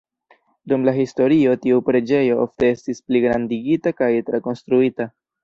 Dum la historio tiu preĝejo ofte estis pligrandigita kaj trakonstruita.